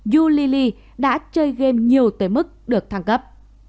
yu li li đã chơi game nhiều tới mức được thăng cấp